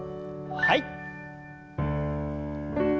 はい。